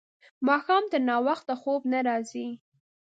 ماښام تر ناوخته خوب نه راځي.